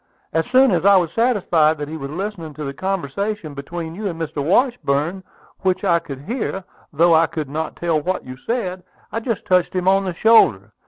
As soon as I was satisfied that he was listening to the conversation between you and Mr. Washburn, which I could hear, though I could not tell what you said, I just touched him on the shoulder.